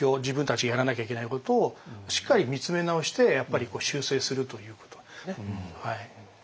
自分たちがやらなきゃいけないことをしっかり見つめ直してやっぱり修正するということ。